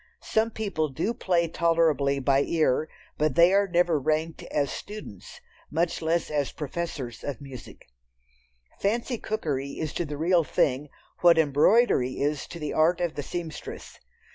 Some people do play tolerably by ear, but they are never ranked as students, much less as professors of music. "Fancy" cookery is to the real thing what embroidery is to the art of the seamstress.